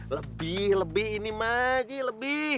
lebih lebih ini ma ji